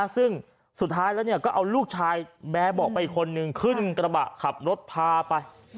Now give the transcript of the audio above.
ซึ่งสุดท้ายแล้วก็เอาลูกชายแบร์บอกไปอีกคนนึงขึ้นกระบะขับรถพาไป